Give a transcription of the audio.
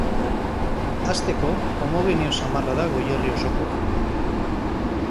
Hasteko, homogeneo samarra da Goierri osokoa.